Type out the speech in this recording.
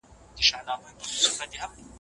موږ د ژبې معیار لوړ ساتو.